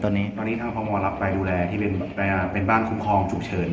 ตอนเนี้ยตอนนี้ทางพ่อมอรับไปดูแลที่เป็นเป็นบ้านคุกพรอง